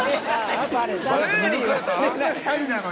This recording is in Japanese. そんなシャイなのに。